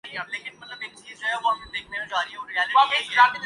اس بارے کوئی کسر نہ اٹھائی جاتی۔